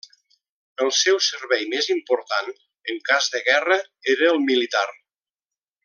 El seu servei més important, en cas de guerra, era el militar.